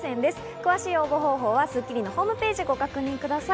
詳しい応募方法は『スッキリ』のホームページをご確認ください。